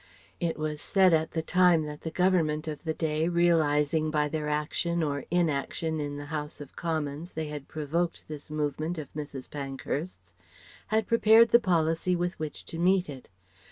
It was said at the time that the Government of the day, realizing by their action or inaction in the House of Commons they had provoked this movement of Mrs. Pankhurst's, had prepared the policy with which to meet it.